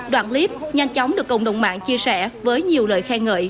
đoạn clip nhanh chóng được cộng đồng mạng chia sẻ với nhiều lời khen ngợi